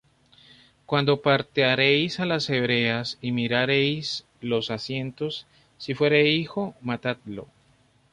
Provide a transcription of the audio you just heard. Cuando parteareis á las Hebreas, y mirareis los asientos, si fuere hijo, matadlo.